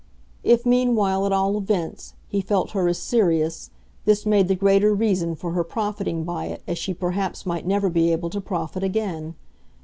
If meanwhile, at all events, he felt her as serious, this made the greater reason for her profiting by it as she perhaps might never be able to profit again.